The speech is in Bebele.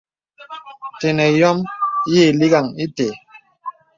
Tənə yɔ̄m yì lìkgaŋ ìtə.